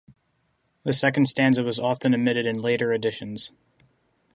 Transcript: The second stanza was often omitted in later editions.